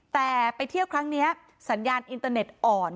แต่ไปเที่ยวครั้งนี้สัญญาณอินเตอร์เน็ตอ่อน